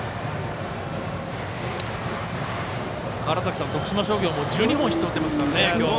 川原崎さん、徳島商業１２本ヒットを打ってますからね。